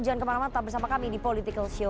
jangan kemana mana tetap bersama kami di politikalshow